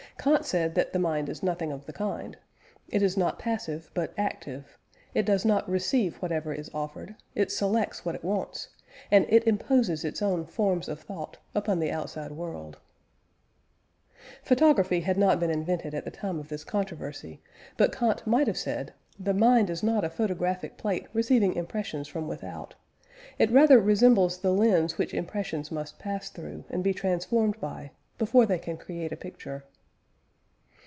Kant said that the mind is nothing of the kind; it is not passive, but active; it does not "receive" whatever is offered, it "selects" what it wants; and it imposes its own "forms of thought" upon the outside world. Photography had not been invented at the time of this controversy, but Kant might have said: The mind is not a photographic plate receiving impressions from without, it rather resembles the lens which impressions must pass through, and be transformed by, before they can create a picture.